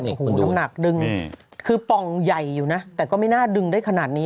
โอ้โหน้ำหนักดึงคือป่องใหญ่อยู่นะแต่ก็ไม่น่าดึงได้ขนาดนี้